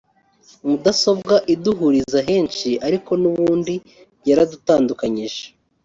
mudasobwa iduhuriza henshi ariko n’ubundi yaradutandukanyije